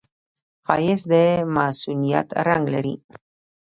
ښایست د معصومیت رنگ لري